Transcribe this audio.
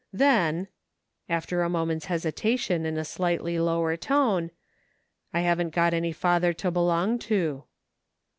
Then," after a moment's hesitation, in a slightly lower tone, "I haven't got any father to belong to."